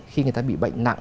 khi người ta bị bệnh nặng